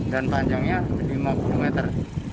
dan panjangnya lima puluh meter